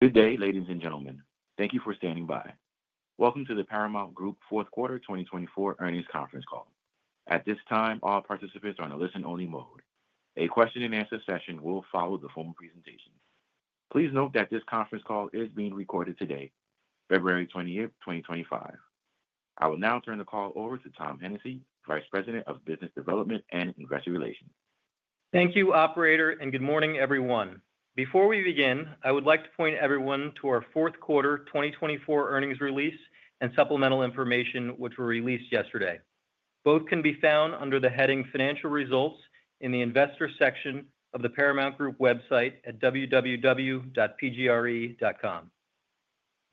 Good day, ladies and gentlemen. Thank you for standing by. Welcome to the Paramount Group Fourth Quarter 2024 earnings conference call. At this time, all participants are in a listen-only mode. A question-and-answer session will follow the formal presentation. Please note that this conference call is being recorded today, February 28th, 2025. I will now turn the call over to Tom Hennessy, Vice President of Business Development and Investor Relations. Thank you, Operator, and good morning, everyone. Before we begin, I would like to point everyone to our fourth quarter 2024 earnings release and supplemental information, which were released yesterday. Both can be found under the heading Financial Results in the Investor section of the Paramount Group website at www.pgre.com.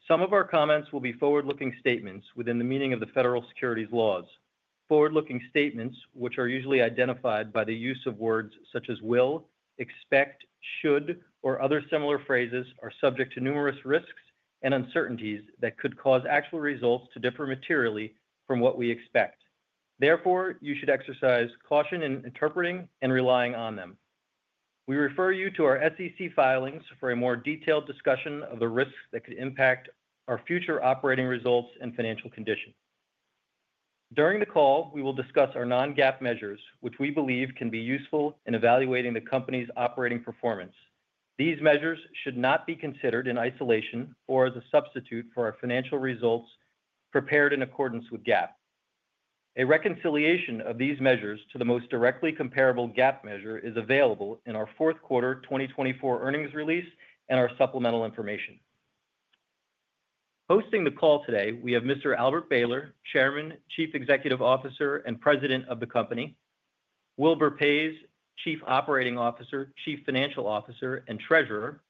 Some of our comments will be forward-looking statements within the meaning of the federal securities laws. Forward-looking statements, which are usually identified by the use of words such as will, expect, should, or other similar phrases, are subject to numerous risks and uncertainties that could cause actual results to differ materially from what we expect. Therefore, you should exercise caution in interpreting and relying on them. We refer you to our SEC filings for a more detailed discussion of the risks that could impact our future operating results and financial condition. During the call, we will discuss our non-GAAP measures, which we believe can be useful in evaluating the company's operating performance. These measures should not be considered in isolation or as a substitute for our financial results prepared in accordance with GAAP. A reconciliation of these measures to the most directly comparable GAAP measure is available in our Fourth Quarter 2024 earnings release and our supplemental information. Hosting the call today, we have Mr. Albert Behler, Chairman, Chief Executive Officer, and President of the company; Wilbur Paes, Chief Operating Officer, Chief Financial Officer, and Treasurer;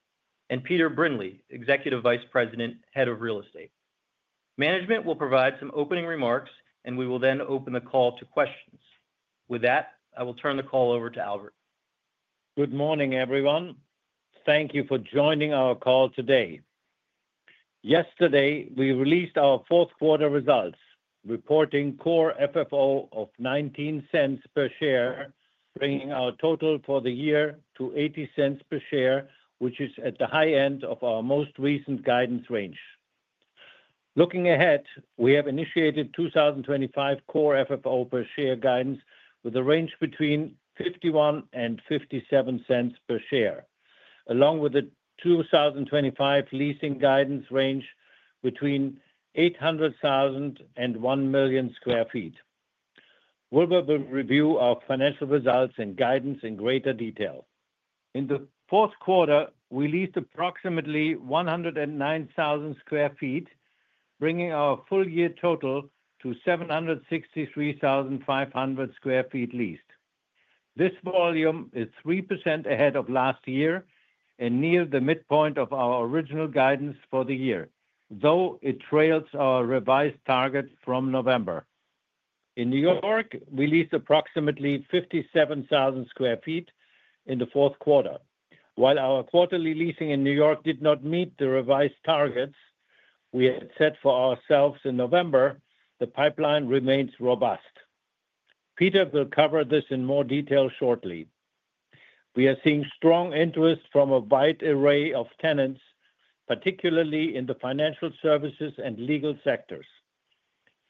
and Peter Brindley, Executive Vice President, Head of Real Estate. Management will provide some opening remarks, and we will then open the call to questions. With that, I will turn the call over to Albert. Good morning, everyone. Thank you for joining our call today. Yesterday, we released our fourth quarter results, reporting core FFO of $0.19 per share, bringing our total for the year to $0.80 per share, which is at the high end of our most recent guidance range. Looking ahead, we have initiated 2025 core FFO per share guidance with a range between $0.51 and $0.57 per share, along with the 2025 leasing guidance range between 800,000 and 1 million sq ft. Wilbur will review our financial results and guidance in greater detail. In the fourth quarter, we leased approximately 109,000 sq ft, bringing our full-year total to 763,500 sq ft leased. This volume is 3% ahead of last year and near the midpoint of our original guidance for the year, though it trails our revised target from November. In New York, we leased approximately 57,000 sq ft in the fourth quarter. While our quarterly leasing in New York did not meet the revised targets we had set for ourselves in November, the pipeline remains robust. Peter will cover this in more detail shortly. We are seeing strong interest from a wide array of tenants, particularly in the financial services and legal sectors.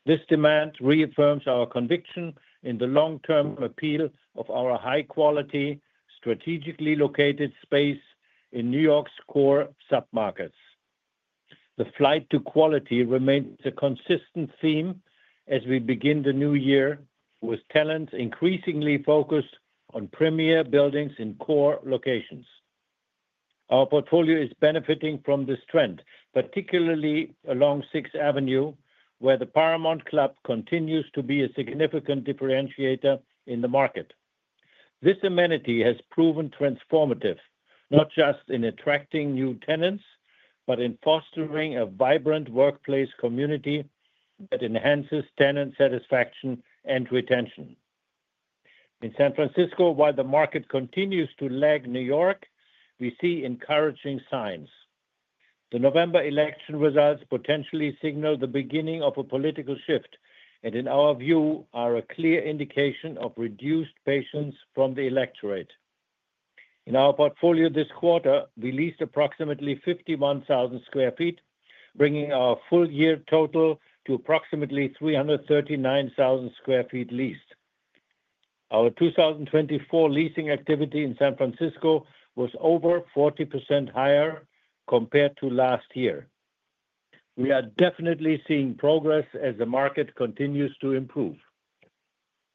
This demand reaffirms our conviction in the long-term appeal of our high-quality, strategically located space in New York's core submarkets. The flight to quality remains a consistent theme as we begin the new year, with tenants increasingly focused on premier buildings in core locations. Our portfolio is benefiting from this trend, particularly along 6th Avenue, where the Paramount Club continues to be a significant differentiator in the market. This amenity has proven transformative, not just in attracting new tenants, but in fostering a vibrant workplace community that enhances tenant satisfaction and retention. In San Francisco, while the market continues to lag New York, we see encouraging signs. The November election results potentially signal the beginning of a political shift, and in our view, are a clear indication of reduced patience from the electorate. In our portfolio this quarter, we leased approximately 51,000 sq ft, bringing our full-year total to approximately 339,000 sq ft leased. Our 2024 leasing activity in San Francisco was over 40% higher compared to last year. We are definitely seeing progress as the market continues to improve.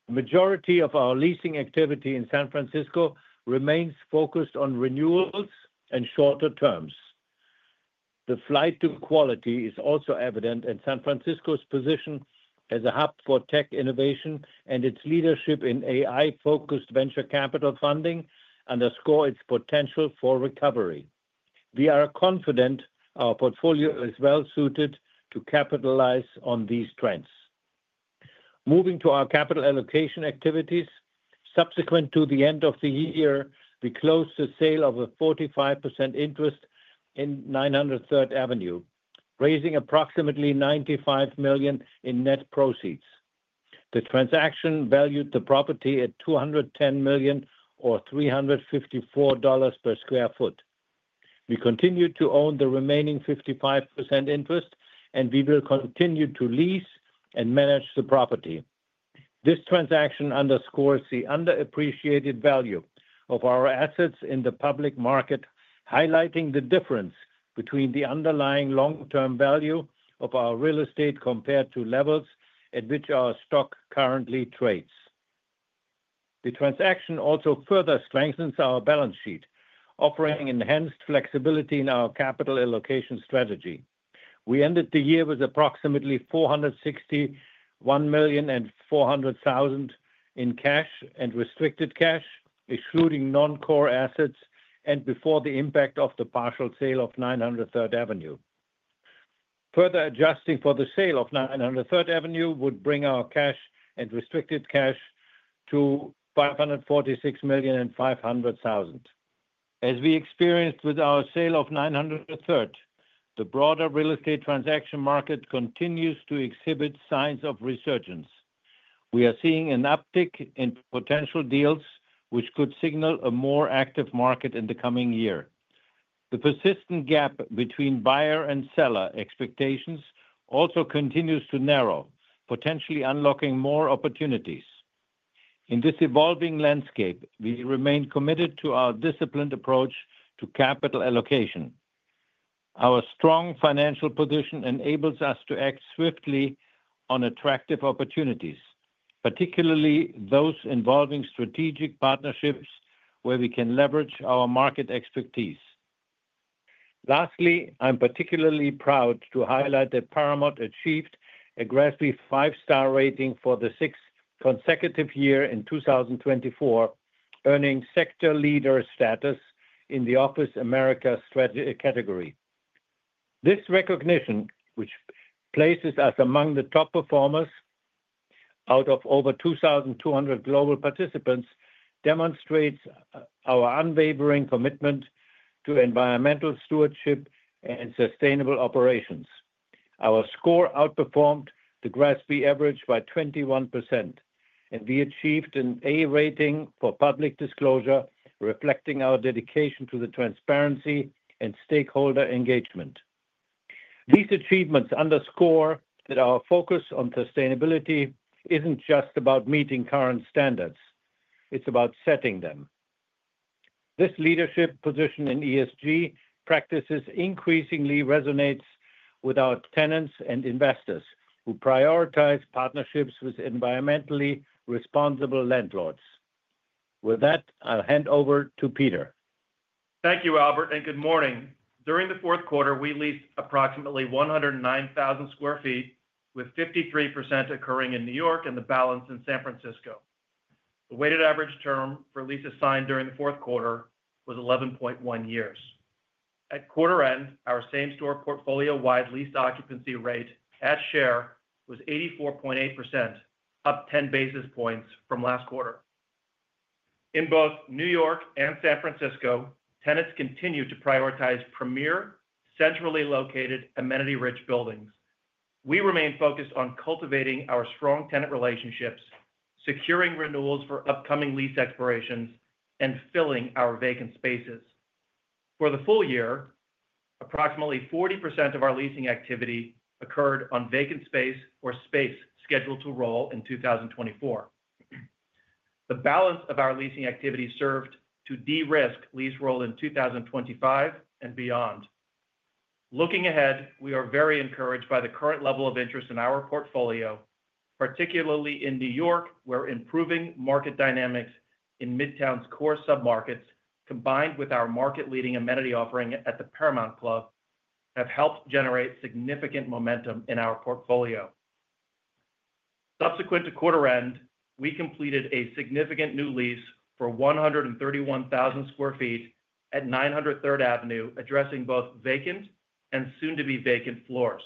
The majority of our leasing activity in San Francisco remains focused on renewals and shorter terms. The flight to quality is also evident, and San Francisco's position as a hub for tech innovation and its leadership in AI-focused venture capital funding underscore its potential for recovery. We are confident our portfolio is well-suited to capitalize on these trends. Moving to our capital allocation activities, subsequent to the end of the year, we closed the sale of a 45% interest in 900 Third Avenue, raising approximately $95 million in net proceeds. The transaction valued the property at $210 million, or $354 per sq ft. We continue to own the remaining 55% interest, and we will continue to lease and manage the property. This transaction underscores the underappreciated value of our assets in the public market, highlighting the difference between the underlying long-term value of our real estate compared to levels at which our stock currently trades. The transaction also further strengthens our balance sheet, offering enhanced flexibility in our capital allocation strategy. We ended the year with approximately $461,400,000 in cash and restricted cash, excluding non-core assets, and before the impact of the partial sale of 900 Third Avenue. Further adjusting for the sale of 900 Third Avenue would bring our cash and restricted cash to $546,500,000. As we experienced with our sale of 900 Third, the broader real estate transaction market continues to exhibit signs of resurgence. We are seeing an uptick in potential deals, which could signal a more active market in the coming year. The persistent gap between buyer and seller expectations also continues to narrow, potentially unlocking more opportunities. In this evolving landscape, we remain committed to our disciplined approach to capital allocation. Our strong financial position enables us to act swiftly on attractive opportunities, particularly those involving strategic partnerships where we can leverage our market expertise. Lastly, I'm particularly proud to highlight that Paramount achieved a GRESB Five-Star rating for the sixth consecutive year in 2024, earning Sector Leader status in the Office Americas Strategy category. This recognition, which places us among the top performers out of over 2,200 global participants, demonstrates our unwavering commitment to environmental stewardship and sustainable operations. Our score outperformed the GRESB average by 21%, and we achieved an A rating for public disclosure, reflecting our dedication to transparency and stakeholder engagement. These achievements underscore that our focus on sustainability isn't just about meeting current standards; it's about setting them. This leadership position in ESG practices increasingly resonates with our tenants and investors, who prioritize partnerships with environmentally responsible landlords. With that, I'll hand over to Peter. Thank you, Albert, and good morning. During the fourth quarter, we leased approximately 109,000 sq ft, with 53% occurring in New York and the balance in San Francisco. The weighted average term for leases signed during the fourth quarter was 11.1 years. At quarter end, our same-store portfolio-wide lease occupancy rate at share was 84.8%, up 10 basis points from last quarter. In both New York and San Francisco, tenants continue to prioritize premier, centrally located, amenity-rich buildings. We remain focused on cultivating our strong tenant relationships, securing renewals for upcoming lease expirations, and filling our vacant spaces. For the full year, approximately 40% of our leasing activity occurred on vacant space or space scheduled to roll in 2024. The balance of our leasing activity served to de-risk lease roll in 2025 and beyond. Looking ahead, we are very encouraged by the current level of interest in our portfolio, particularly in New York, where improving market dynamics in Midtown's core submarkets, combined with our market-leading amenity offering at the Paramount Club, have helped generate significant momentum in our portfolio. Subsequent to quarter end, we completed a significant new lease for 131,000 sq ft at 90 Third Avenue, addressing both vacant and soon-to-be-vacant floors.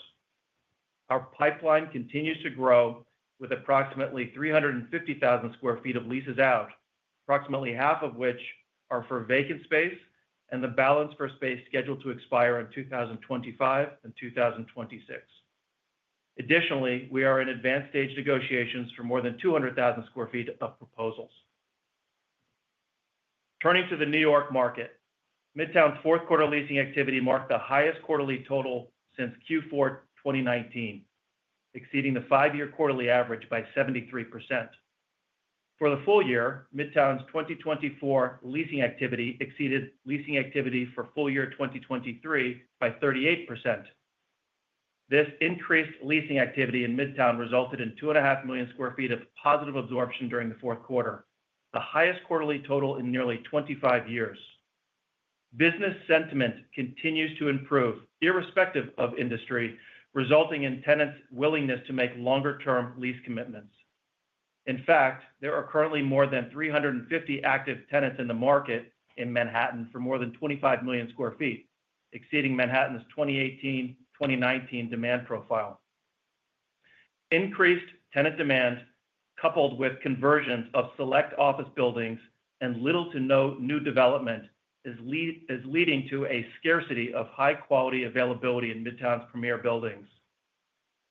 Our pipeline continues to grow, with approximately 350,000 sq ft of leases out, approximately half of which are for vacant space and the balance for space scheduled to expire in 2025 and 2026. Additionally, we are in advanced stage negotiations for more than 200,000 sq ft of proposals. Turning to the New York market, Midtown's fourth quarter leasing activity marked the highest quarterly total since Q4 2019, exceeding the five-year quarterly average by 73%. For the full year, Midtown's 2024 leasing activity exceeded leasing activity for full year 2023 by 38%. This increased leasing activity in Midtown resulted in 2.5 million sq ft of positive absorption during the fourth quarter, the highest quarterly total in nearly 25 years. Business sentiment continues to improve, irrespective of industry, resulting in tenants' willingness to make longer-term lease commitments. In fact, there are currently more than 350 active tenants in the market in Manhattan for more than 25 million sq ft, exceeding Manhattan's 2018-2019 demand profile. Increased tenant demand, coupled with conversions of select office buildings and little to no new development, is leading to a scarcity of high-quality availability in Midtown's premier buildings.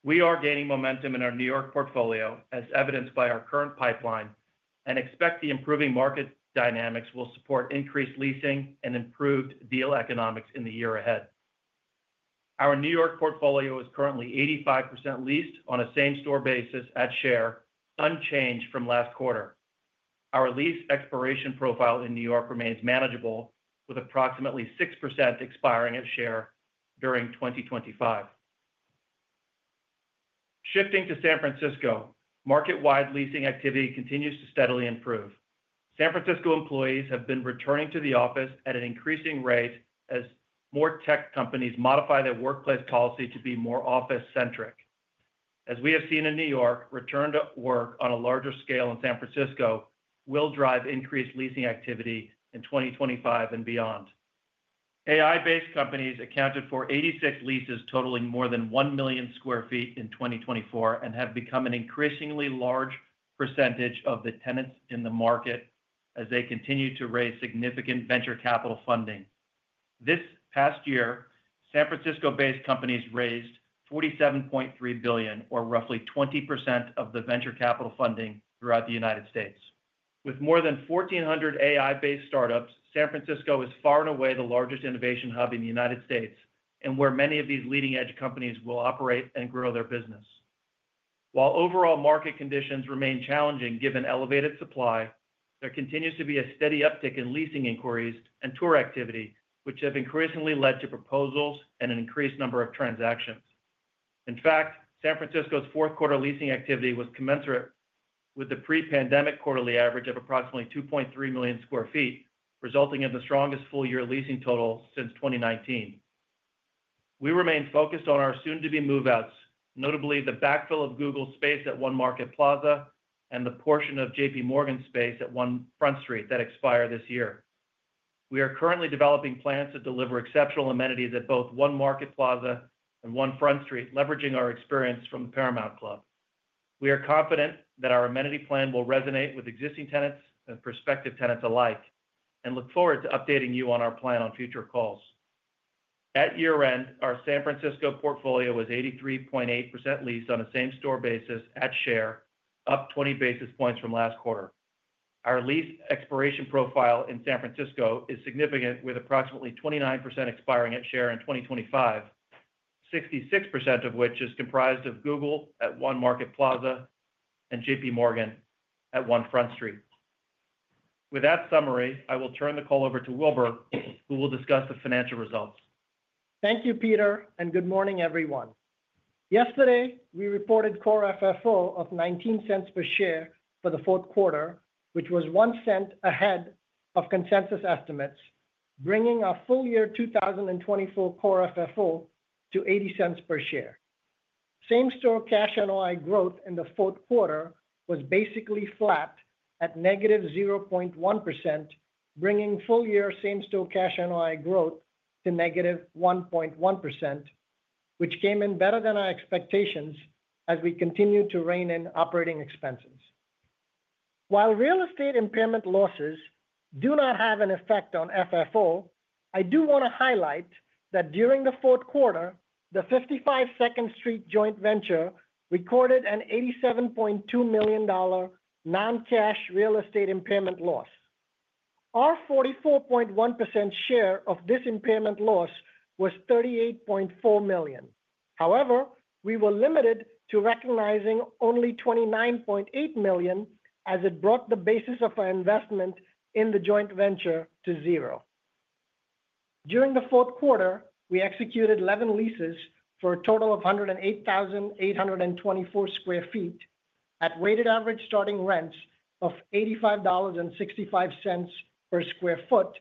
We are gaining momentum in our New York portfolio, as evidenced by our current pipeline, and expect the improving market dynamics will support increased leasing and improved deal economics in the year ahead. Our New York portfolio is currently 85% leased on a same-store basis at share, unchanged from last quarter. Our lease expiration profile in New York remains manageable, with approximately 6% expiring at share during 2025. Shifting to San Francisco, market-wide leasing activity continues to steadily improve. San Francisco employees have been returning to the office at an increasing rate as more tech companies modify their workplace policy to be more office-centric. As we have seen in New York, return to work on a larger scale in San Francisco will drive increased leasing activity in 2025 and beyond. AI-based companies accounted for 86 leases totaling more than 1 million sq ft in 2024 and have become an increasingly large percentage of the tenants in the market as they continue to raise significant venture capital funding. This past year, San Francisco-based companies raised $47.3 billion, or roughly 20% of the venture capital funding throughout the United States. With more than 1,400 AI-based startups, San Francisco is far and away the largest innovation hub in the United States and where many of these leading-edge companies will operate and grow their business. While overall market conditions remain challenging given elevated supply, there continues to be a steady uptick in leasing inquiries and tour activity, which have increasingly led to proposals and an increased number of transactions. In fact, San Francisco's fourth quarter leasing activity was commensurate with the pre-pandemic quarterly average of approximately 2.3 million sq ft, resulting in the strongest full-year leasing total since 2019. We remain focused on our soon-to-be move-outs, notably the backfill of Google space at One Market Plaza and the portion of JPMorgan space at One Front Street that expire this year. We are currently developing plans to deliver exceptional amenities at both One Market Plaza and One Front Street, leveraging our experience from the Paramount Club. We are confident that our amenity plan will resonate with existing tenants and prospective tenants alike and look forward to updating you on our plan on future calls. At year end, our San Francisco portfolio was 83.8% leased on a same-store basis at share, up 20 basis points from last quarter. Our lease expiration profile in San Francisco is significant, with approximately 29% expiring at share in 2025, 66% of which is comprised of Google at One Market Plaza and JPMorgan at One Front Street. With that summary, I will turn the call over to Wilbur, who will discuss the financial results. Thank you, Peter, and good morning, everyone. Yesterday, we reported core FFO of $0.19 per share for the fourth quarter, which was one cent ahead of consensus estimates, bringing our full-year 2024 core FFO to $0.80 per share. Same-store cash NOI growth in the fourth quarter was basically flat at -0.1%, bringing full-year same-store cash NOI growth to -1.1%, which came in better than our expectations as we continued to rein in operating expenses. While real estate impairment losses do not have an effect on FFO, I do want to highlight that during the fourth quarter, the 55 Second Street joint venture recorded an $87.2 million non-cash real estate impairment loss. Our 44.1% share of this impairment loss was $38.4 million. However, we were limited to recognizing only $29.8 million as it brought the basis of our investment in the joint venture to zero. During the fourth quarter, we executed 11 leases for a total of 108,824 sq ft at weighted average starting rents of $85.65 per sq ft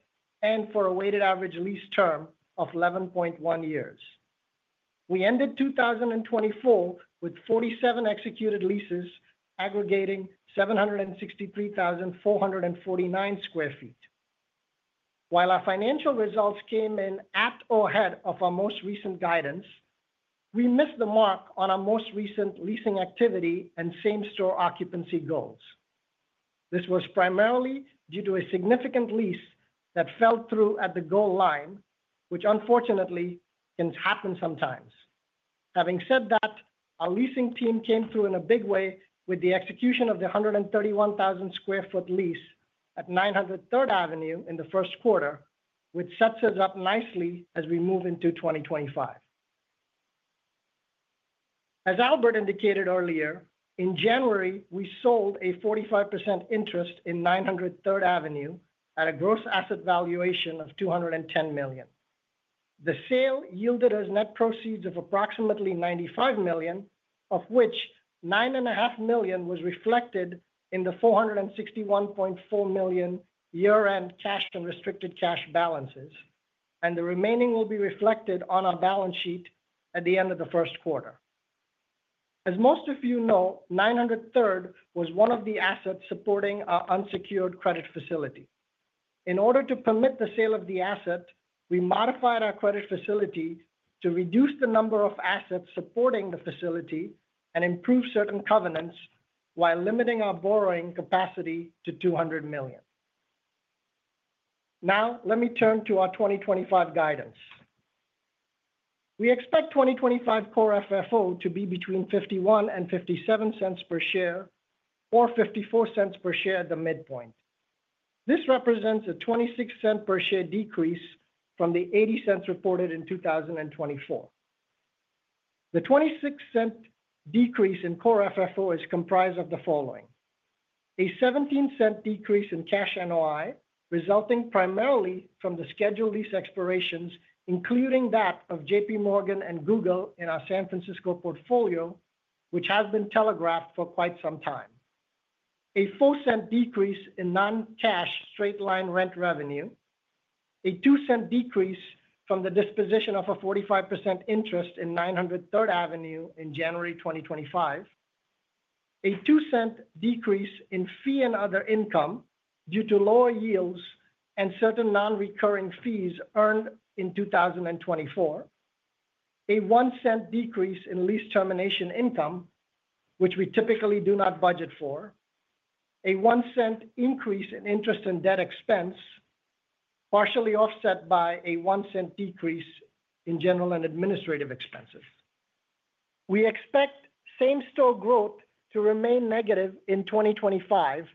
and for a weighted average lease term of 11.1 years. We ended 2024 with 47 executed leases, aggregating 763,449 sq ft. While our financial results came in at or ahead of our most recent guidance, we missed the mark on our most recent leasing activity and same-store occupancy goals. This was primarily due to a significant lease that fell through at the goal line, which unfortunately can happen sometimes. Having said that, our leasing team came through in a big way with the execution of the 131,000 sq ft lease at 900 Third Avenue in the first quarter, which sets us up nicely as we move into 2025. As Albert indicated earlier, in January, we sold a 45% interest in 900 Third Avenue at a gross asset valuation of $210 million. The sale yielded us net proceeds of approximately $95 million, of which $9.5 million was reflected in the $461.4 million year-end cash and restricted cash balances, and the remaining will be reflected on our balance sheet at the end of the first quarter. As most of you know, 900 Third Avenue was one of the assets supporting our unsecured credit facility. In order to permit the sale of the asset, we modified our credit facility to reduce the number of assets supporting the facility and improve certain covenants while limiting our borrowing capacity to $200 million. Now, let me turn to our 2025 guidance. We expect 2025 core FFO to be between $0.51-$0.57 per share or $0.54 per share at the midpoint. This represents a $0.26 per share decrease from the $0.80 reported in 2024. The $0.26 decrease in core FFO is comprised of the following: a $0.17 decrease in cash NOI, resulting primarily from the scheduled lease expirations, including that of JPMorgan and Google in our San Francisco portfolio, which has been telegraphed for quite some time; a $0.04 decrease in non-cash straight-line rent revenue; a $0.02 decrease from the disposition of a 45% interest in 900 Third Avenue in January 2025; a $0.02 decrease in fee and other income due to lower yields and certain non-recurring fees earned in 2024; a $0.01 decrease in lease termination income, which we typically do not budget for; a $0.01 increase in interest and debt expense, partially offset by a $0.01 decrease in general and administrative expenses. We expect same-store growth to remain negative in 2025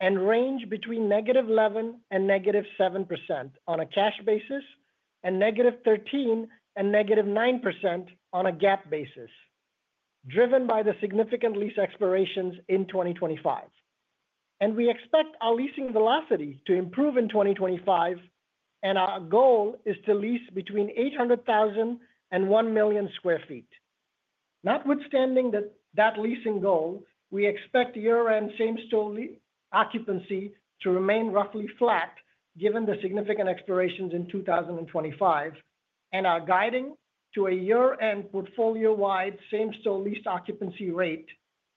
and range between -11% and -7% on a cash basis and -13% and -9% on a GAAP basis, driven by the significant lease expirations in 2025. We expect our leasing velocity to improve in 2025, and our goal is to lease between 800,000 and 1 million sq ft. Notwithstanding that leasing goal, we expect year-end same-store occupancy to remain roughly flat given the significant expirations in 2025 and our guiding to a year-end portfolio-wide same-store lease occupancy rate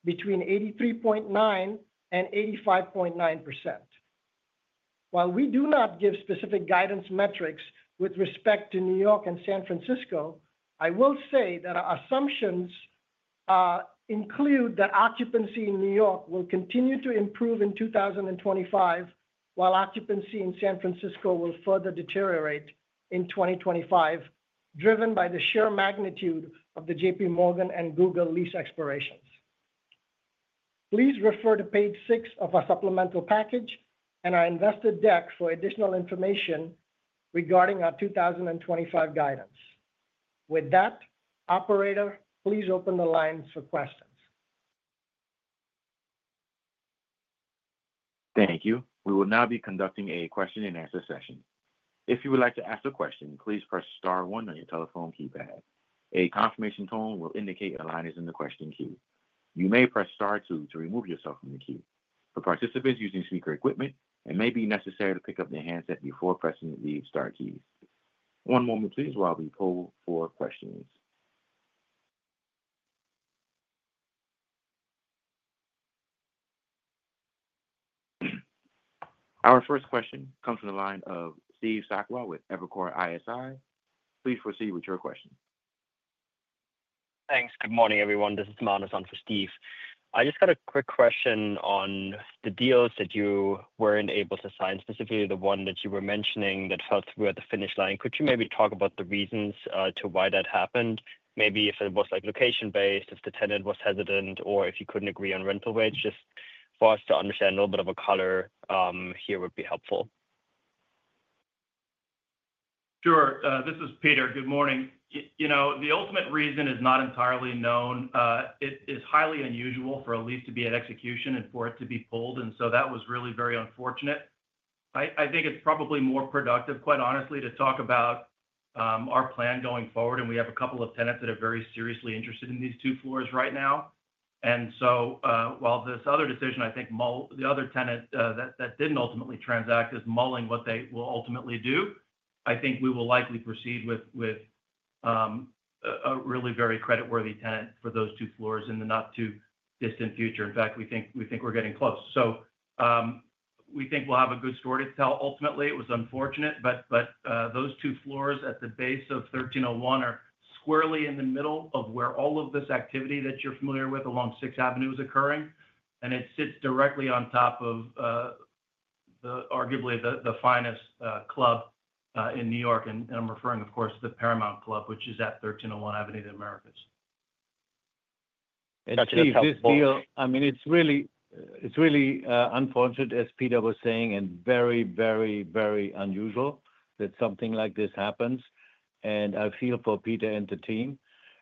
between 83.9% and 85.9%. While we do not give specific guidance metrics with respect to New York and San Francisco, I will say that our assumptions include that occupancy in New York will continue to improve in 2025, while occupancy in San Francisco will further deteriorate in 2025, driven by the sheer magnitude of the JPMorgan and Google lease expirations. Please refer to page 6 of our supplemental package and our investor deck for additional information regarding our 2025 guidance. With that, Operator, please open the lines for questions. Thank you. We will now be conducting a question-and-answer session. If you would like to ask a question, please press star one on your telephone keypad. A confirmation tone will indicate a line is in the question queue. You may press star two to remove yourself from the queue. For participants using speaker equipment, it may be necessary to pick up the handset before pressing the star keys. One moment, please, while we pull for questions. Our first question comes from the line of Steve Sakwa with Evercore ISI. Please proceed with your question. Thanks. Good morning, everyone. This is Manason on for Steve. I just got a quick question on the deals that you were not able to sign, specifically the one that you were mentioning that fell through at the finish line. Could you maybe talk about the reasons why that happened? Maybe if it was location-based, if the tenant was hesitant, or if you could not agree on rental rates. Just for us to understand a little bit of color here would be helpful. Sure. This is Peter. Good morning. The ultimate reason is not entirely known. It is highly unusual for a lease to be at execution and for it to be pulled. That was really very unfortunate. I think it's probably more productive, quite honestly, to talk about our plan going forward. We have a couple of tenants that are very seriously interested in these two floors right now. While this other decision, I think the other tenant that did not ultimately transact is mulling what they will ultimately do, I think we will likely proceed with a really very creditworthy tenant for those two floors in the not-too-distant future. In fact, we think we're getting close. We think we'll have a good story to tell. Ultimately, it was unfortunate, but those two floors at the base of 1301 are squarely in the middle of where all of this activity that you're familiar with along 6th Avenue is occurring. It sits directly on top of arguably the finest club in New York. I'm referring, of course, to the Paramount Club, which is at 1301 Avenue of the Americas. Steve, this deal, I mean, it's really unfortunate, as Peter was saying, and very, very, very unusual that something like this happens. I feel for Peter and the team.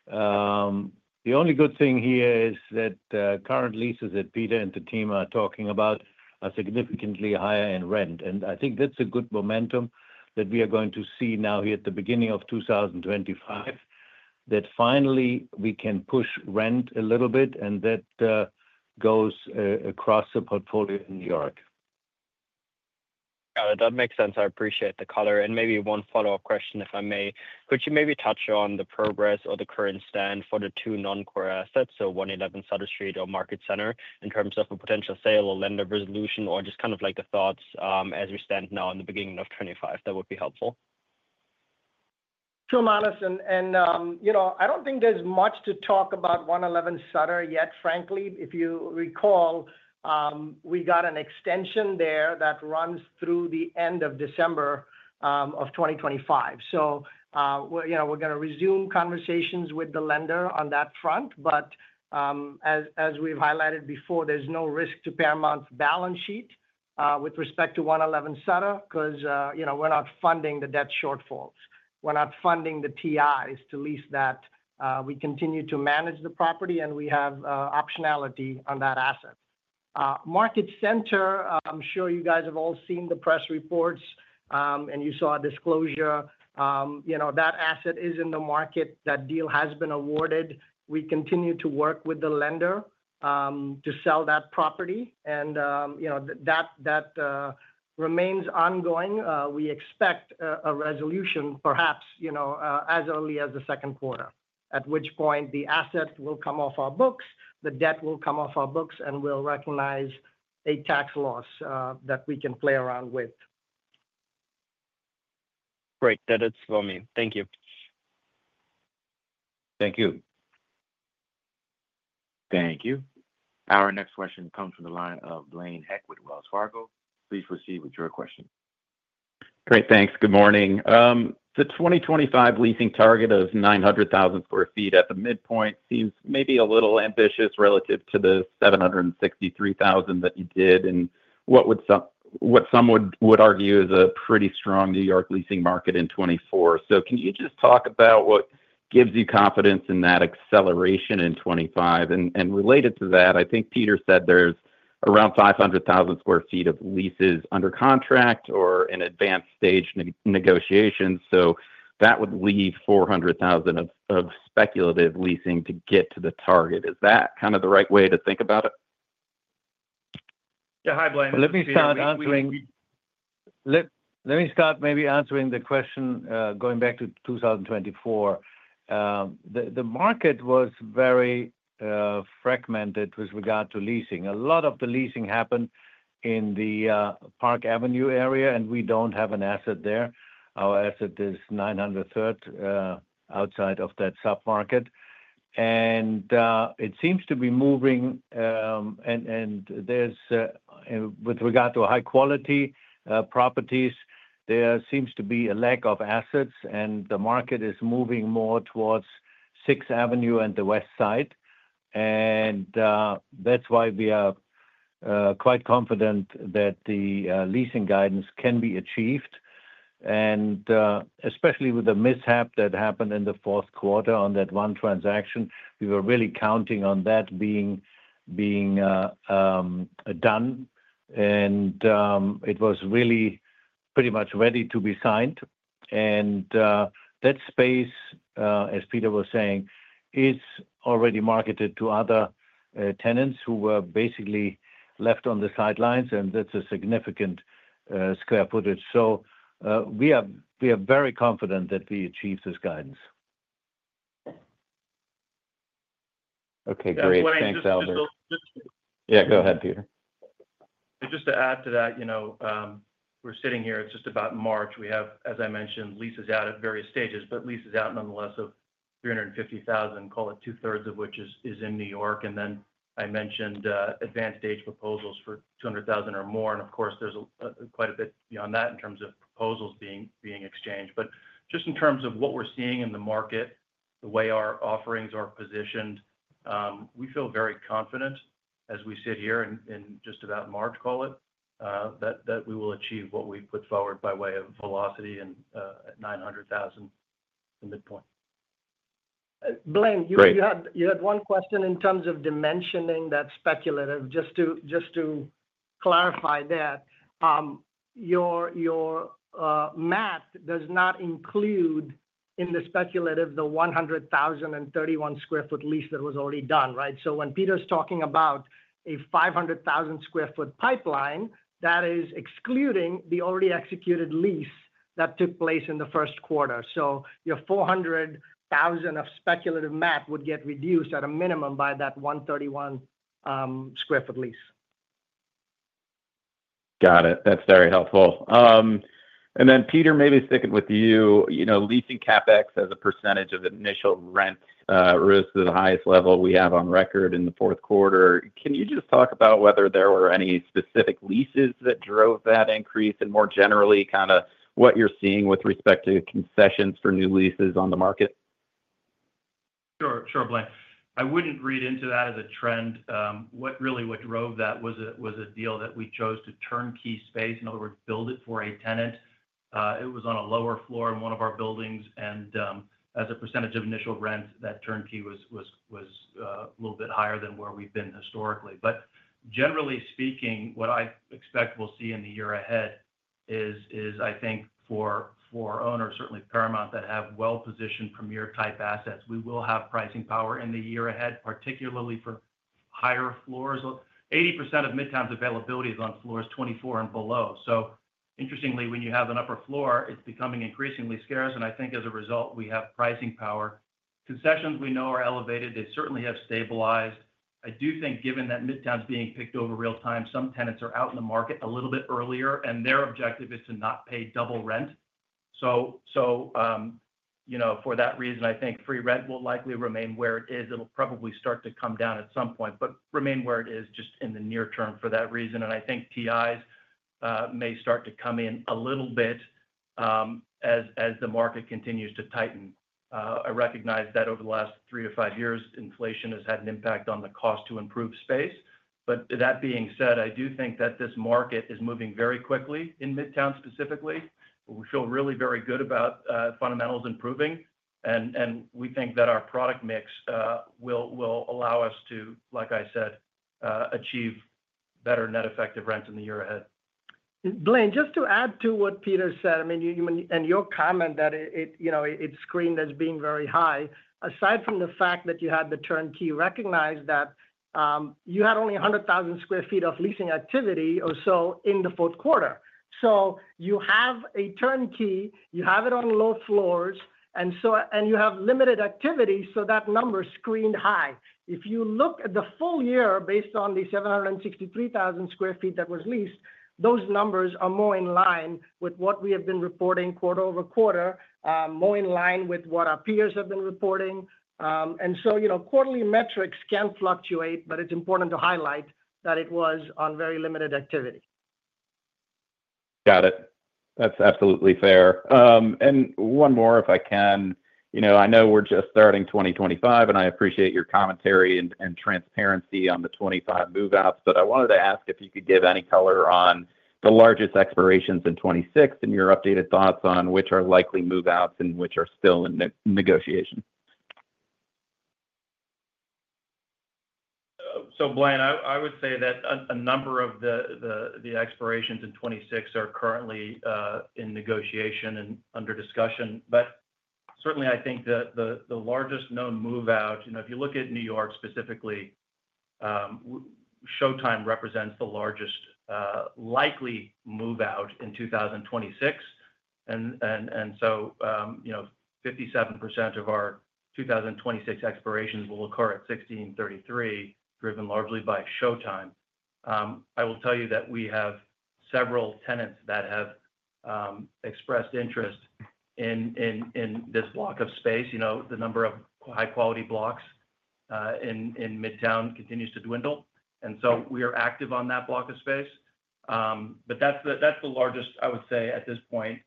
The only good thing here is that current leases that Peter and the team are talking about are significantly higher in rent. I think that's a good momentum that we are going to see now here at the beginning of 2025, that finally we can push rent a little bit and that goes across the portfolio in New York. Got it. That makes sense. I appreciate the color. Maybe one follow-up question, if I may. Could you maybe touch on the progress or the current stand for the two non-core assets, so 111 Sutter Street or Market Center, in terms of a potential sale or lender resolution or just kind of like the thoughts as we stand now in the beginning of 2025? That would be helpful. Tommanason, I do not think there is much to talk about 111 Sutter yet, frankly. If you recall, we got an extension there that runs through the end of December 2025. We are going to resume conversations with the lender on that front. As we have highlighted before, there is no risk to Paramount's balance sheet with respect to 111 Sutter because we are not funding the debt shortfalls. We are not funding the TIs to lease that. We continue to manage the property, and we have optionality on that asset. Market Center, I am sure you guys have all seen the press reports and you saw a disclosure. That asset is in the market. That deal has been awarded. We continue to work with the lender to sell that property. That remains ongoing. We expect a resolution, perhaps as early as the second quarter, at which point the asset will come off our books, the debt will come off our books, and we'll recognize a tax loss that we can play around with. Great. That is all me. Thank you. Thank you. Thank you. Our next question comes from the line of Blaine Heck with Wells Fargo. Please proceed with your question. Great. Thanks. Good morning. The 2025 leasing target of 900,000 sq ft at the midpoint seems maybe a little ambitious relative to the 763,000 that you did and what some would argue is a pretty strong New York leasing market in 2024. Can you just talk about what gives you confidence in that acceleration in 2025? Related to that, I think Peter said there's around 500,000 sq ft of leases under contract or in advanced stage negotiations. That would leave 400,000 of speculative leasing to get to the target. Is that kind of the right way to think about it? Yeah. Hi, Blaine. Let me start answering the question going back to 2024. The market was very fragmented with regard to leasing. A lot of the leasing happened in the Park Avenue area, and we do not have an asset there. Our asset is 900 Third outside of that submarket. It seems to be moving. With regard to high-quality properties, there seems to be a lack of assets, and the market is moving more towards 6th Avenue and the west side. That is why we are quite confident that the leasing guidance can be achieved. Especially with the mishap that happened in the fourth quarter on that one transaction, we were really counting on that being done. It was really pretty much ready to be signed. That space, as Peter was saying, is already marketed to other tenants who were basically left on the sidelines, and that is a significant square footage. We are very confident that we achieved this guidance. Okay. Great. Thanks, Albert. Yeah. Go ahead, Peter. Just to add to that, we're sitting here. It's just about March. We have, as I mentioned, leases out at various stages, but leases out nonetheless of 350,000, call it two-thirds of which is in New York. I mentioned advanced-age proposals for 200,000 or more. Of course, there's quite a bit beyond that in terms of proposals being exchanged. Just in terms of what we're seeing in the market, the way our offerings are positioned, we feel very confident as we sit here in just about March, call it, that we will achieve what we put forward by way of velocity at 900,000, the midpoint. Blaine, you had one question in terms of dimensioning that speculative. Just to clarify that, your math does not include in the speculative the 100,031 sq ft lease that was already done, right? When Peter is talking about a 500,000 sq ft pipeline, that is excluding the already executed lease that took place in the first quarter. Your 400,000 of speculative math would get reduced at a minimum by that 131 sq ft lease. Got it. That's very helpful. Peter, maybe sticking with you, leasing CapEx as a percentage of initial rent rose to the highest level we have on record in the fourth quarter. Can you just talk about whether there were any specific leases that drove that increase and more generally kind of what you're seeing with respect to concessions for new leases on the market? Sure. Sure, Blaine. I would not read into that as a trend. Really, what drove that was a deal that we chose to turnkey space. In other words, build it for a tenant. It was on a lower floor in one of our buildings. And as a percentage of initial rent, that turnkey was a little bit higher than where we have been historically. But generally speaking, what I expect we will see in the year ahead is, I think, for owners, certainly Paramount, that have well-positioned premier-type assets, we will have pricing power in the year ahead, particularly for higher floors. 80% of Midtown's availability is on floors 24 and below. Interestingly, when you have an upper floor, it is becoming increasingly scarce. I think as a result, we have pricing power. Concessions we know are elevated. They certainly have stabilized. I do think given that Midtown's being picked over real time, some tenants are out in the market a little bit earlier, and their objective is to not pay double rent. For that reason, I think free rent will likely remain where it is. It'll probably start to come down at some point, but remain where it is just in the near term for that reason. I think TIs may start to come in a little bit as the market continues to tighten. I recognize that over the last three to five years, inflation has had an impact on the cost to improve space. That being said, I do think that this market is moving very quickly in Midtown specifically. We feel really very good about fundamentals improving. We think that our product mix will allow us to, like I said, achieve better net effective rents in the year ahead. Blaine, just to add to what Peter said, I mean, and your comment that it screened as being very high, aside from the fact that you had the turnkey, recognize that you had only 100,000 sq ft of leasing activity or so in the fourth quarter. You have a turnkey. You have it on low floors, and you have limited activity. That number screened high. If you look at the full year based on the 763,000 sq ft that was leased, those numbers are more in line with what we have been reporting quarter over quarter, more in line with what our peers have been reporting. Quarterly metrics can fluctuate, but it is important to highlight that it was on very limited activity. Got it. That's absolutely fair. One more, if I can. I know we're just starting 2025, and I appreciate your commentary and transparency on the 2025 move-outs. I wanted to ask if you could give any color on the largest expirations in 2026 and your updated thoughts on which are likely move-outs and which are still in negotiation. Blaine, I would say that a number of the expirations in 2026 are currently in negotiation and under discussion. Certainly, I think the largest known move-out, if you look at New York specifically, Showtime represents the largest likely move-out in 2026. 57% of our 2026 expirations will occur at 1633, driven largely by Showtime. I will tell you that we have several tenants that have expressed interest in this block of space. The number of high-quality blocks in Midtown continues to dwindle. We are active on that block of space. That is the largest, I would say, at this point,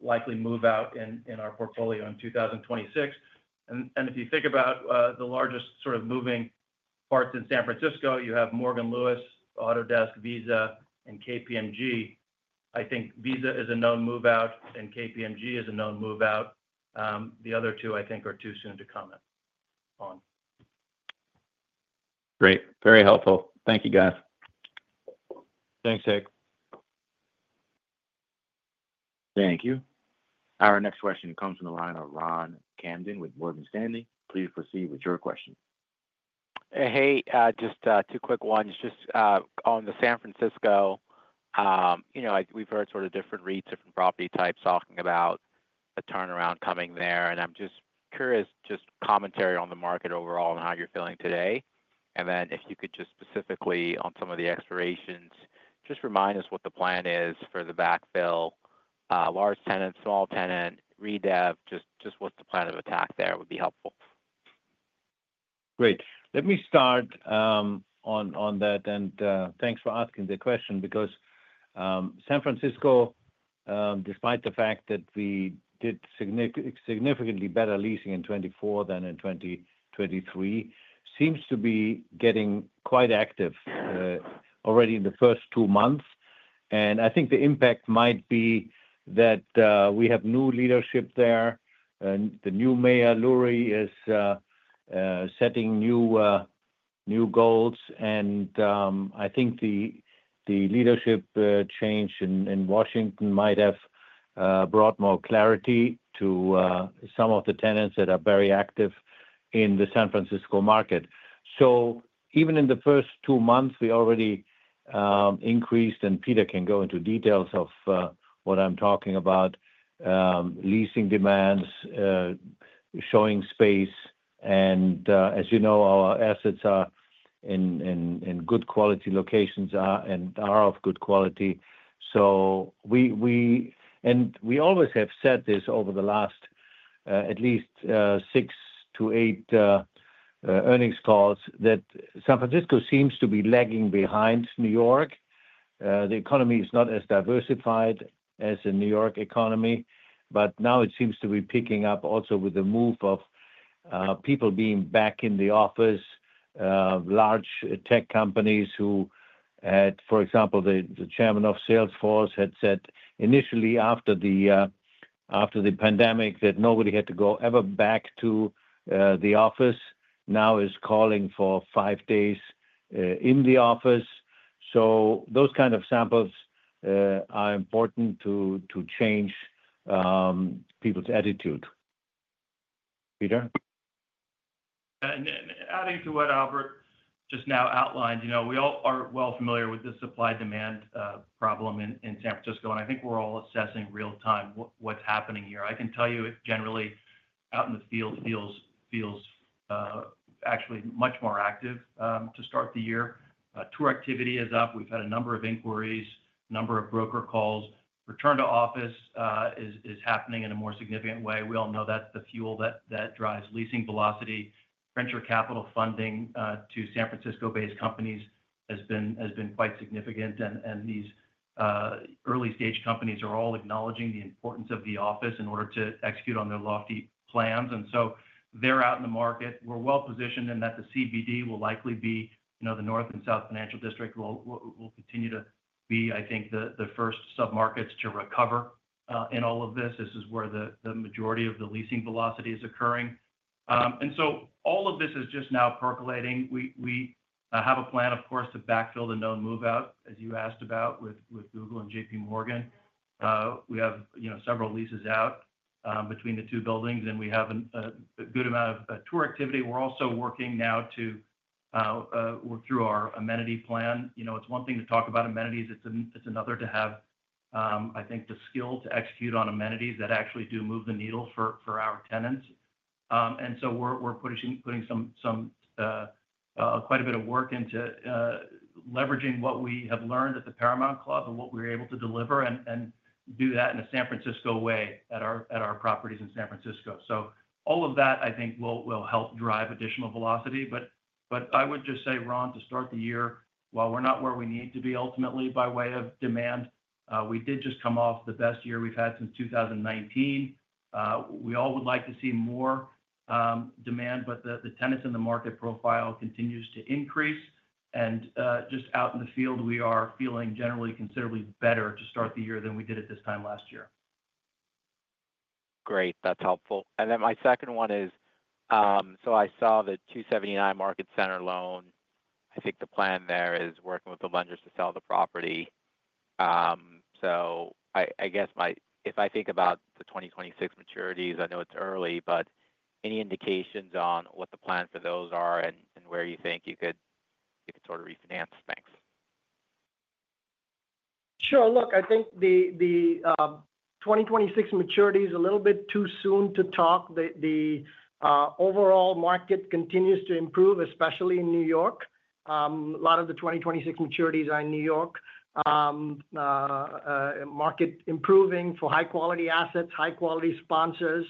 likely move-out in our portfolio in 2026. If you think about the largest sort of moving parts in San Francisco, you have Morgan Lewis, Autodesk, Visa, and KPMG. I think Visa is a known move-out, and KPMG is a known move-out. The other two, I think, are too soon to comment on. Great. Very helpful. Thank you, guys. Thanks, Heck. Thank you. Our next question comes from the line of Ron Camden with Morgan Stanley. Please proceed with your question. Hey, just two quick ones. Just on the San Francisco, we've heard sort of different reads, different property types talking about a turnaround coming there. I'm just curious, just commentary on the market overall and how you're feeling today. If you could just specifically on some of the expirations, just remind us what the plan is for the backfill, large tenant, small tenant, redev, just what's the plan of attack there would be helpful. Great. Let me start on that. Thanks for asking the question because San Francisco, despite the fact that we did significantly better leasing in 2024 than in 2023, seems to be getting quite active already in the first two months. I think the impact might be that we have new leadership there. The new mayor, Lurie, is setting new goals. I think the leadership change in Washington might have brought more clarity to some of the tenants that are very active in the San Francisco market. Even in the first two months, we already increased, and Peter can go into details of what I am talking about, leasing demands, showing space. As you know, our assets are in good quality locations and are of good quality. We always have said this over the last at least six to eight earnings calls, that San Francisco seems to be lagging behind New York. The economy is not as diversified as the New York economy. Now it seems to be picking up also with the move of people being back in the office, large tech companies who had, for example, the chairman of Salesforce had said initially after the pandemic that nobody had to go ever back to the office, now is calling for five days in the office. Those kind of samples are important to change people's attitude. Peter? Adding to what Albert just now outlined, we all are well familiar with the supply-demand problem in San Francisco. I think we're all assessing real-time what's happening here. I can tell you it actually out in the field feels much more active to start the year. Tour activity is up. We've had a number of inquiries, a number of broker calls. Return to office is happening in a more significant way. We all know that's the fuel that drives leasing velocity. Venture capital funding to San Francisco-based companies has been quite significant. These early-stage companies are all acknowledging the importance of the office in order to execute on their lofty plans. They are out in the market. We're well positioned in that the CBD will likely be the north and south financial district will continue to be, I think, the first submarkets to recover in all of this. This is where the majority of the leasing velocity is occurring. All of this is just now percolating. We have a plan, of course, to backfill the known move-out, as you asked about with Google and JPMorgan. We have several leases out between the two buildings, and we have a good amount of tour activity. We're also working now to work through our amenity plan. It's one thing to talk about amenities. It's another to have, I think, the skill to execute on amenities that actually do move the needle for our tenants. We are putting quite a bit of work into leveraging what we have learned at the Paramount Club and what we are able to deliver and do that in a San Francisco way at our properties in San Francisco. All of that, I think, will help drive additional velocity. I would just say, Ron, to start the year, while we are not where we need to be ultimately by way of demand, we did just come off the best year we have had since 2019. We all would like to see more demand, but the tenants and the market profile continues to increase. Just out in the field, we are feeling generally considerably better to start the year than we did at this time last year. Great. That's helpful. My second one is, I saw the 279 Market Center loan. I think the plan there is working with the lenders to sell the property. I guess if I think about the 2026 maturities, I know it's early, but any indications on what the plan for those are and where you think you could sort of refinance? Thanks. Sure. Look, I think the 2026 maturity is a little bit too soon to talk. The overall market continues to improve, especially in New York. A lot of the 2026 maturities are in New York. Market improving for high-quality assets, high-quality sponsors.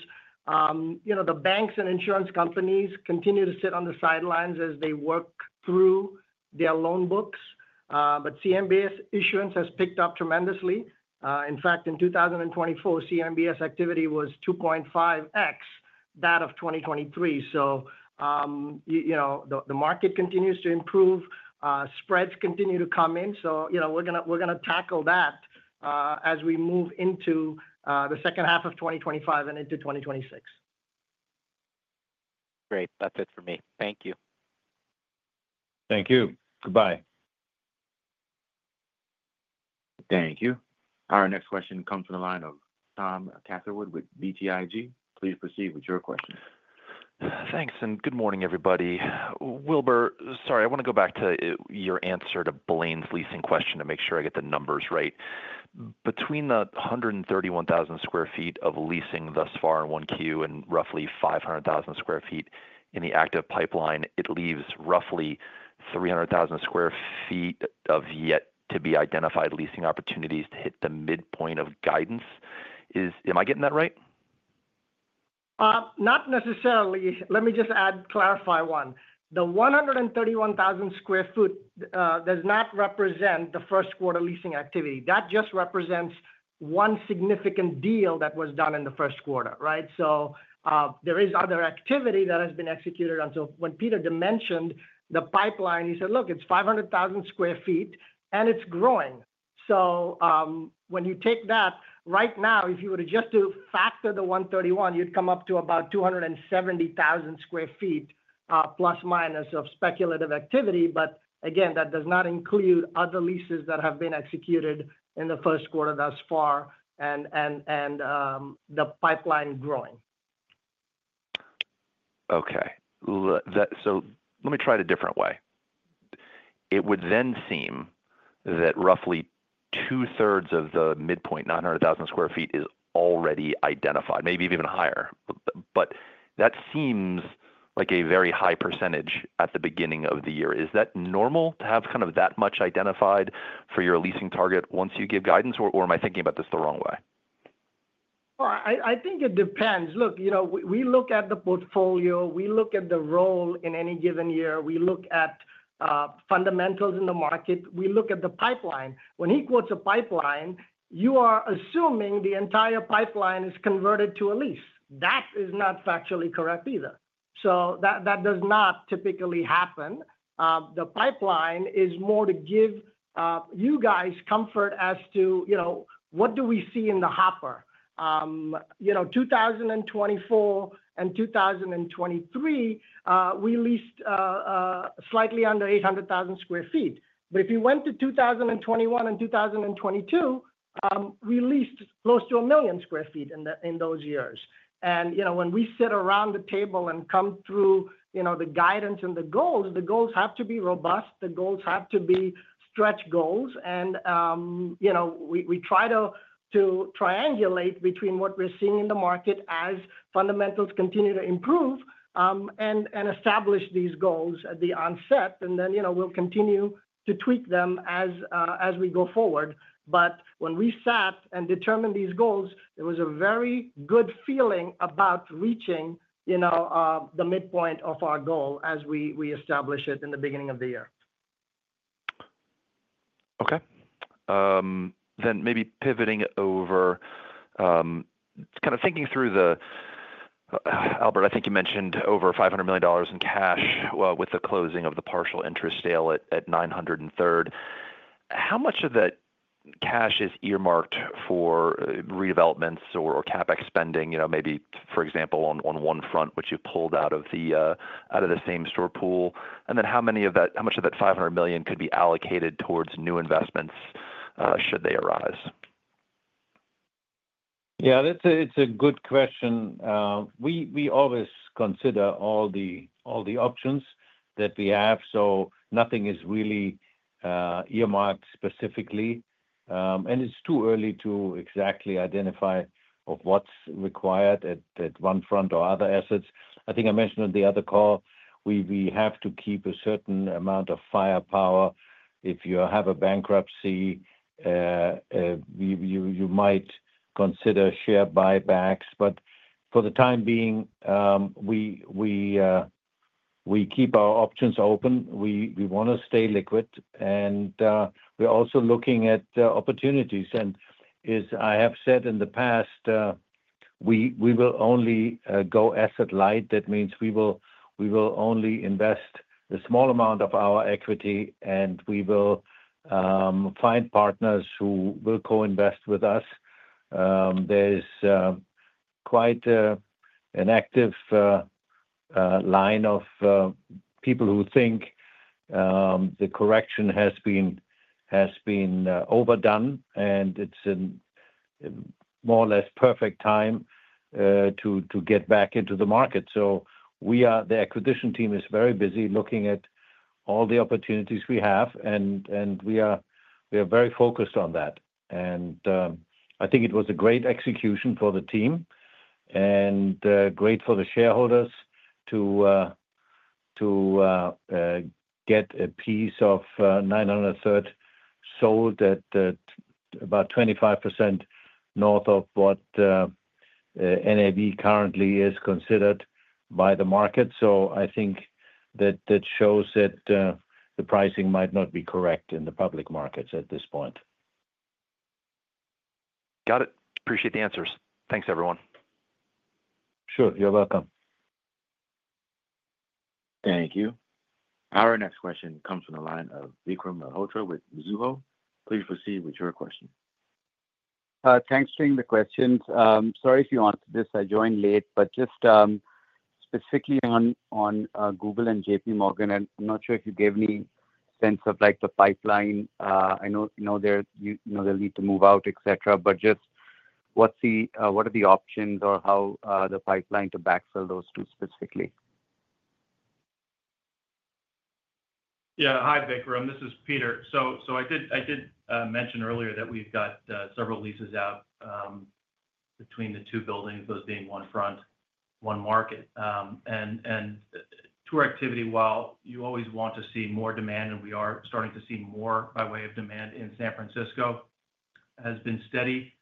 The banks and insurance companies continue to sit on the sidelines as they work through their loan books. CMBS issuance has picked up tremendously. In fact, in 2024, CMBS activity was 2.5x that of 2023. The market continues to improve. Spreads continue to come in. We are going to tackle that as we move into the second half of 2025 and into 2026. Great. That's it for me. Thank you. Thank you. Goodbye. Thank you. Our next question comes from the line of Tom Catherwood with BTIG. Please proceed with your question. Thanks. Good morning, everybody. Wilbur, sorry, I want to go back to your answer to Blaine's leasing question to make sure I get the numbers right. Between the 131,000 sq ft of leasing thus far in 1Q and roughly 500,000 sq ft in the active pipeline, it leaves roughly 300,000 sq ft of yet-to-be-identified leasing opportunities to hit the midpoint of guidance. Am I getting that right? Not necessarily. Let me just add, clarify one. The 131,000 sq ft does not represent the first-quarter leasing activity. That just represents one significant deal that was done in the first quarter, right? There is other activity that has been executed. When Peter mentioned the pipeline, he said, "Look, it's 500,000 sq ft, and it's growing." When you take that, right now, if you were to just factor the 131, you'd come up to about 270,000 sq ft plus minus of speculative activity. Again, that does not include other leases that have been executed in the first quarter thus far and the pipeline growing. Okay. Let me try it a different way. It would then seem that roughly two-thirds of the midpoint, 900,000 sq ft, is already identified, maybe even higher. That seems like a very high percentage at the beginning of the year. Is that normal to have kind of that much identified for your leasing target once you give guidance, or am I thinking about this the wrong way? I think it depends. Look, we look at the portfolio. We look at the roll in any given year. We look at fundamentals in the market. We look at the pipeline. When he quotes a pipeline, you are assuming the entire pipeline is converted to a lease. That is not factually correct either. That does not typically happen. The pipeline is more to give you guys comfort as to what do we see in the hopper. In 2024 and 2023, we leased slightly under 800,000 sq ft. If you went to 2021 and 2022, we leased close to 1 million sq ft in those years. When we sit around the table and come through the guidance and the goals, the goals have to be robust. The goals have to be stretch goals. We try to triangulate between what we're seeing in the market as fundamentals continue to improve and establish these goals at the onset. We will continue to tweak them as we go forward. When we sat and determined these goals, there was a very good feeling about reaching the midpoint of our goal as we establish it in the beginning of the year. Okay. Maybe pivoting over, kind of thinking through, Albert, I think you mentioned over $500 million in cash with the closing of the partial interest sale at 900 Third. How much of that cash is earmarked for redevelopments or CapEx spending, maybe, for example, on One Front, which you pulled out of the same-store pool? How much of that $500 million could be allocated towards new investments should they arise? Yeah, it's a good question. We always consider all the options that we have. Nothing is really earmarked specifically. It's too early to exactly identify what's required at One Front Street or other assets. I think I mentioned on the other call, we have to keep a certain amount of firepower. If you have a bankruptcy, you might consider share buybacks. For the time being, we keep our options open. We want to stay liquid. We're also looking at opportunities. As I have said in the past, we will only go asset light. That means we will only invest a small amount of our equity, and we will find partners who will co-invest with us. There's quite an active line of people who think the correction has been overdone, and it's a more or less perfect time to get back into the market. The acquisition team is very busy looking at all the opportunities we have, and we are very focused on that. I think it was a great execution for the team and great for the shareholders to get a piece of 900 Third sold at about 25% north of what NAV currently is considered by the market. I think that shows that the pricing might not be correct in the public markets at this point. Got it. Appreciate the answers. Thanks, everyone. Sure. You're welcome. Thank you. Our next question comes from the line of Vikram Malhotra with Mizuho. Please proceed with your question. Thanks for the questions. Sorry if you answered this. I joined late, but just specifically on Google and JPMorgan, I'm not sure if you gave me a sense of the pipeline. I know they'll need to move out, etc., but just what are the options or how the pipeline to backfill those two specifically? Yeah. Hi, Vikram. This is Peter. I did mention earlier that we've got several leases out between the two buildings, those being One Front, One Market. Tour activity, while you always want to see more demand, and we are starting to see more by way of demand in San Francisco, has been steady.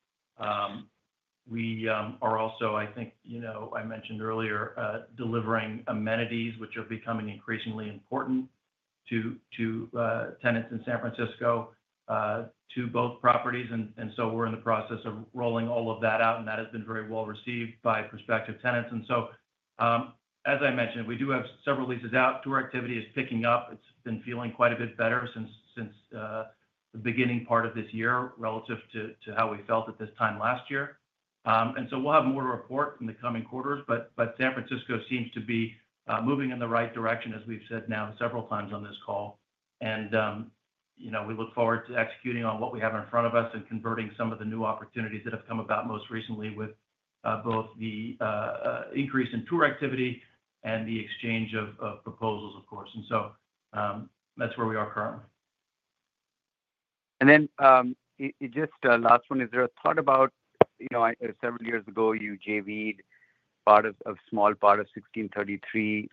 We are also, I think I mentioned earlier, delivering amenities, which are becoming increasingly important to tenants in San Francisco to both properties. We are in the process of rolling all of that out, and that has been very well received by prospective tenants. As I mentioned, we do have several leases out. Tour activity is picking up. It's been feeling quite a bit better since the beginning part of this year relative to how we felt at this time last year. We will have more to report in the coming quarters, but San Francisco seems to be moving in the right direction, as we have said now several times on this call. We look forward to executing on what we have in front of us and converting some of the new opportunities that have come about most recently with both the increase in tour activity and the exchange of proposals, of course. That is where we are currently. Just last one, is there a thought about several years ago, you JV'd part of a small part of 1633.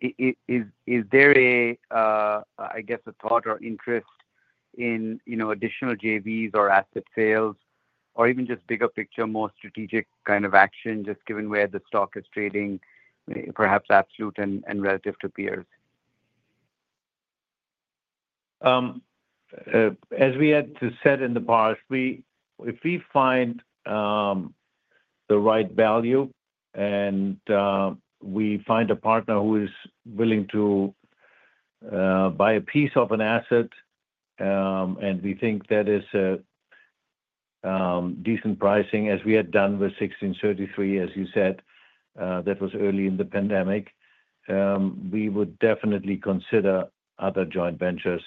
Is there, I guess, a thought or interest in additional JVs or asset sales or even just bigger picture, more strategic kind of action, just given where the stock is trading, perhaps absolute and relative to peers? As we had said in the past, if we find the right value and we find a partner who is willing to buy a piece of an asset and we think that is a decent pricing, as we had done with 1633, as you said, that was early in the pandemic, we would definitely consider other joint ventures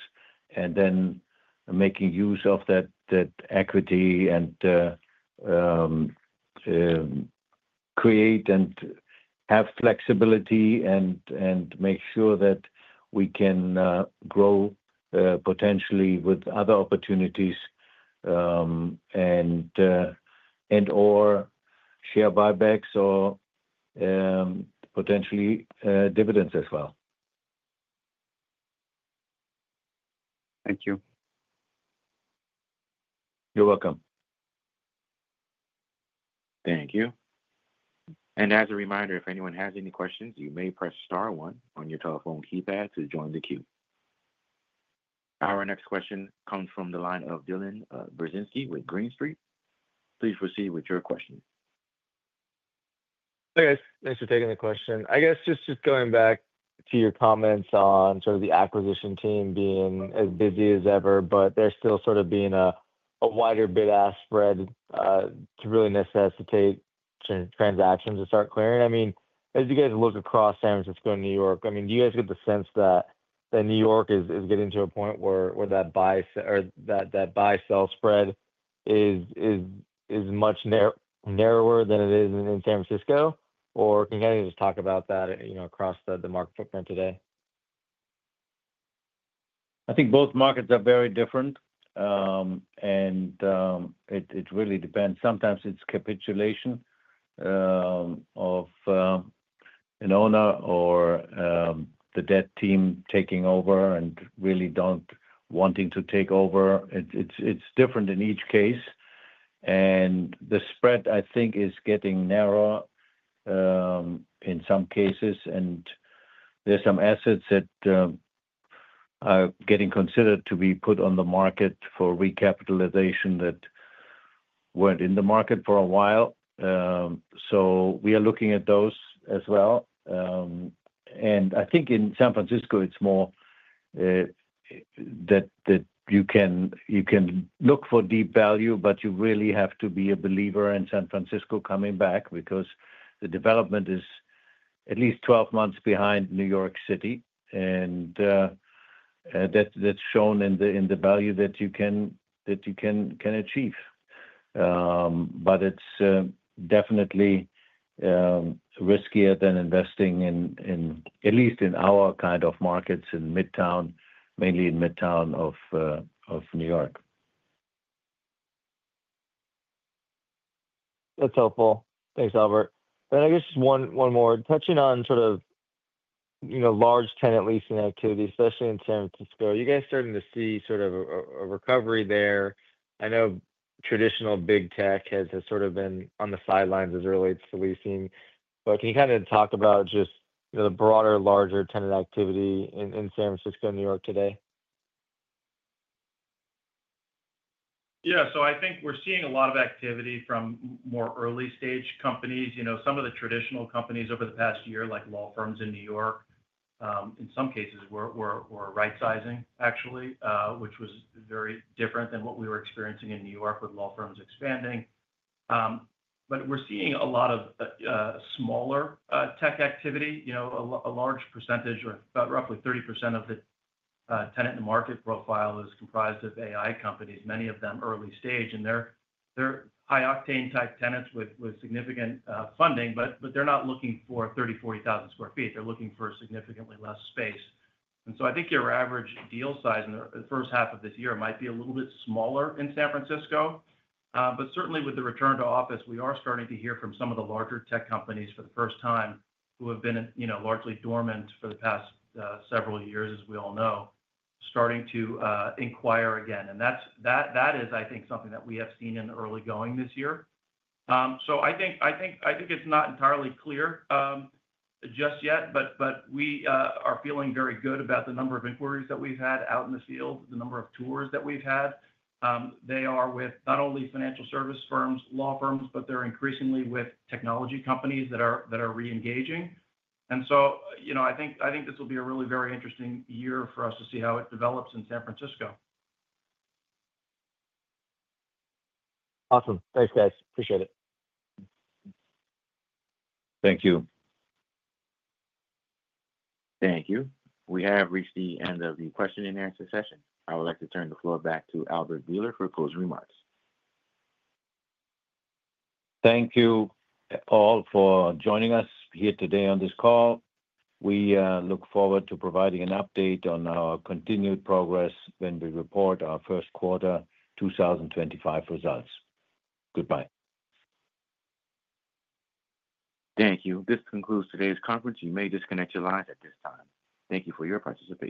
and then making use of that equity and create and have flexibility and make sure that we can grow potentially with other opportunities and/or share buybacks or potentially dividends as well. Thank you. You're welcome. Thank you. As a reminder, if anyone has any questions, you may press star one on your telephone keypad to join the queue. Our next question comes from the line of Dylan Burzinski with Green Street. Please proceed with your question. Hey, guys. Thanks for taking the question. I guess just going back to your comments on sort of the acquisition team being as busy as ever, but there still sort of being a wider bid-ask spread to really necessitate transactions to start clearing. I mean, as you guys look across San Francisco and New York, I mean, do you guys get the sense that New York is getting to a point where that buy-sell spread is much narrower than it is in San Francisco? Or can you kind of just talk about that across the market footprint today? I think both markets are very different, and it really depends. Sometimes it's capitulation of an owner or the debt team taking over and really don't wanting to take over. It's different in each case. The spread, I think, is getting narrower in some cases. There are some assets that are getting considered to be put on the market for recapitalization that weren't in the market for a while. We are looking at those as well. I think in San Francisco, it's more that you can look for deep value, but you really have to be a believer in San Francisco coming back because the development is at least 12 months behind New York City. That is shown in the value that you can achieve. It's definitely riskier than investing in, at least in our kind of markets in midtown, mainly in midtown of New York. That's helpful. Thanks, Albert. I guess just one more. Touching on sort of large tenant leasing activity, especially in San Francisco, are you guys starting to see sort of a recovery there? I know traditional big tech has sort of been on the sidelines as it relates to leasing. Can you kind of talk about just the broader, larger tenant activity in San Francisco and New York today? Yeah. I think we're seeing a lot of activity from more early-stage companies. Some of the traditional companies over the past year, like law firms in New York, in some cases, were rightsizing, actually, which was very different than what we were experiencing in New York with law firms expanding. We're seeing a lot of smaller tech activity. A large percentage, about roughly 30% of the tenant-to-market profile is comprised of AI companies, many of them early-stage. They're high-octane-type tenants with significant funding, but they're not looking for 30,000 sq ft.-40,000 sq ft. They're looking for significantly less space. I think your average deal size in the first half of this year might be a little bit smaller in San Francisco. Certainly, with the return to office, we are starting to hear from some of the larger tech companies for the first time who have been largely dormant for the past several years, as we all know, starting to inquire again. That is, I think, something that we have seen in early going this year. I think it's not entirely clear just yet, but we are feeling very good about the number of inquiries that we've had out in the field, the number of tours that we've had. They are with not only financial service firms, law firms, but they're increasingly with technology companies that are re-engaging. I think this will be a really very interesting year for us to see how it develops in San Francisco. Awesome. Thanks, guys. Appreciate it. Thank you. Thank you. We have reached the end of the question-and-answer session. I would like to turn the floor back to Albert Behler for closing remarks. Thank you, Paul, for joining us here today on this call. We look forward to providing an update on our continued progress when we report our first quarter 2025 results. Goodbye. Thank you. This concludes today's conference. You may disconnect your lines at this time. Thank you for your participation.